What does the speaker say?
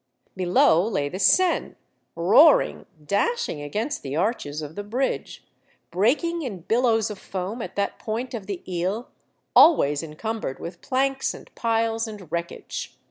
Below lay the Seine, roaring, dashing against the arches of the bridge, breaking in bil lows of foam at that point of the lie, always en cumbered with planks and piles and wreckage.